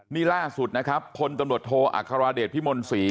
นี่ล่าสุดนะครับคนตำรวจโทษอัครวาเดชน์พิมนศ์ศรี